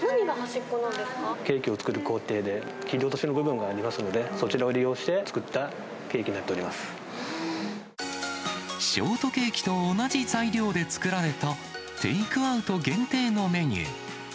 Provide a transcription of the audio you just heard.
ケーキを作る工程で、切り落としの部分がありますので、そちらを利用して作ったケーキにショートケーキと同じ材料で作られた、テイクアウト限定のメニュー。